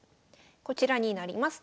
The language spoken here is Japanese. こちらになります。